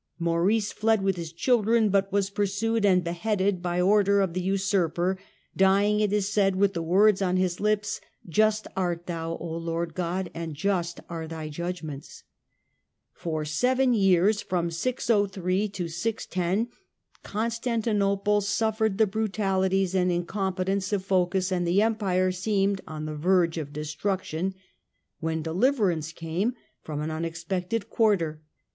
Maurice fled with his children, but was pursued and beheaded by order of the usurper, dying, it is said, with the words on his lips, " Just art Thou, O Lord God, and just are Thy judg ments ". For seven years Constantinople suffered the brutalities and incompetence of Phocas, and the Empire seemed on the verge of destruction when deliverance came from an unexpected quarter.